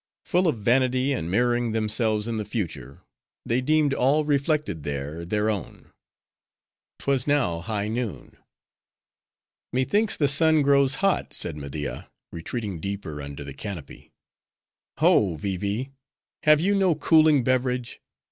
Full of vanity; and mirroring themselves in the future; they deemed all reflected there, their own. 'Twas now high noon. "Methinks the sun grows hot," said Media, retreating deeper under the canopy. "Ho! Vee Vee; have you no cooling beverage?